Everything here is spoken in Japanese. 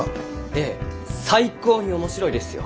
ええ最高に面白いですよ。